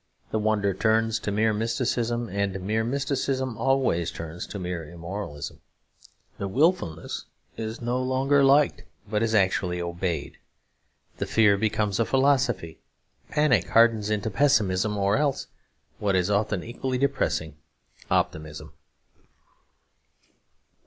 The wonder turns to mere mysticism; and mere mysticism always turns to mere immoralism. The wilfulness is no longer liked, but is actually obeyed. The fear becomes a philosophy. Panic hardens into pessimism; or else, what is often equally depressing, optimism.